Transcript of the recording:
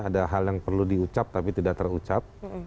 ada hal yang perlu diucap tapi tidak terucap